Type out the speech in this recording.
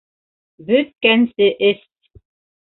Бөткәнсе эс.